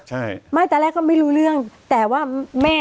ใช่เมื่อแต่แรกเขาไม่รู้เรื่องใช่